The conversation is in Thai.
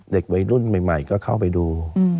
เด็กวัยรุ่นใหม่ก็เข้าไปดู